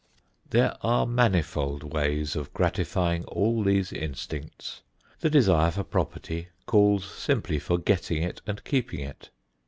There are manifold ways of gratifying all these instincts. The desire for property calls simply for getting it and keeping it.